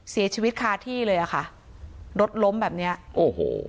เสียชีวิตคาที่เลยอ่ะค่ะรถล้มแบบเนี้ยโอ้โห